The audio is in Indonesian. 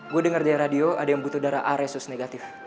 gue dengar dari radio ada yang butuh darah a resus negatif